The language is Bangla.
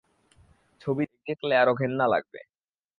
ছবি দেখলে আরো ঘেন্না লাগবে।